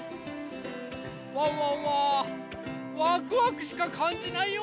ワンワンはワクワクしかかんじないよ！